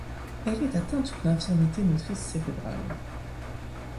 Elle est atteinte d'une infirmité motrice cérébrale.